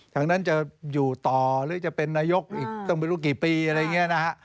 ทั้งนั้นจะอยู่ต่อหรือจะเป็นนายกอีกตั้งไม่รู้กี่ปีอะไรอย่างนี้นะฮะ